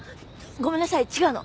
ごめんなさい違うの。